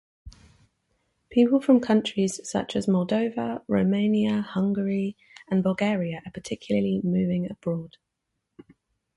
People from countries such as Moldova, Romania, Hungary, and Bulgaria are particularly moving abroad.